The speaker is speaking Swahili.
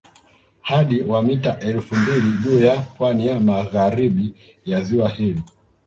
Hadi wa mita elfu mbili juu ya pwani ya magharibi ya ziwa hili